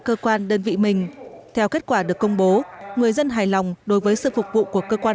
cơ quan đơn vị mình theo kết quả được công bố người dân hài lòng đối với sự phục vụ của cơ quan